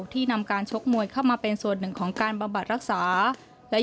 ที่นำการชกมวยเข้ามาเป็นส่วนหนึ่งของการบำบัดรักษาและ